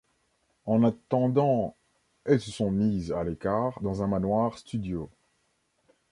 En attendant, elles sont mises à l'écart dans un manoir-studio.